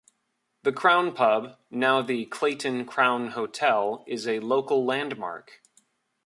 The Crown pub, now the Clayton Crown Hotel, is a local landmark.